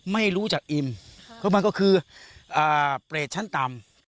ไม่รู้จักอิ่มเพราะมันก็คืออ่าเปรตชั้นตำ